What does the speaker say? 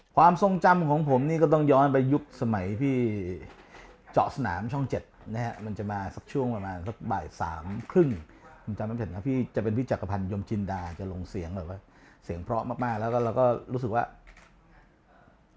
ความทรงจำของผมนี่ก็ต้องย้อนไปยุคสมัยพี่เจาะสนามช่อง๗มันจะมาสักช่วงประมาณสักบ่ายสามครึ่ง